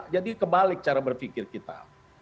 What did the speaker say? jadi kebalik cara berpikir kita